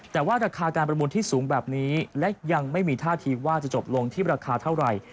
แต่ว่าราคาการประมูลที่สูงแบบนี้และยังไม่มีท่าทีว่าจะจบลงที่ราคาเท่าไหร่